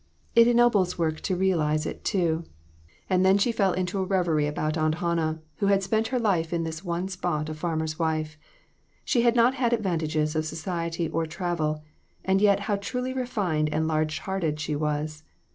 It ennobles work to realize it, too." And then she fell into a reverie about Aunt Hannah, who had spent her life in this one spot a farmer's wife. She had not had advantages of society or travel, and yet how truly refined and large hearted she was.